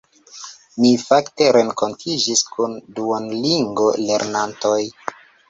Mi fakte renkontiĝis kun Duolingo-lernantoj